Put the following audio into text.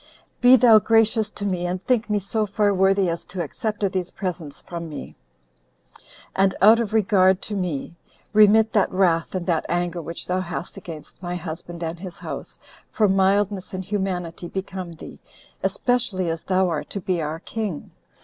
Be thou gracious to me, and think me so far worthy as to accept of these presents from me; and, out of regard to me, remit that wrath and that anger which thou hast against my husband and his house, for mildness and humanity become thee, especially as thou art to be our king."